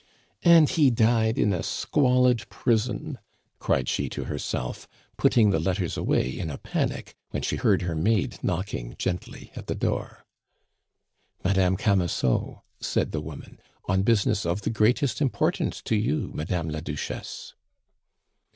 "And he died in a squalid prison!" cried she to herself, putting the letters away in a panic when she heard her maid knocking gently at her door. "Madame Camusot," said the woman, "on business of the greatest importance to you, Madame la Duchesse."